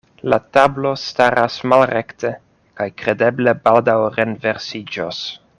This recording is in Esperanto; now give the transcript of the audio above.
La tablo staras malrekte kaj kredeble baldaŭ renversiĝos.